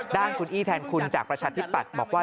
ด้านคุณอี้แทนคุณจากประชาธิปัตย์บอกว่า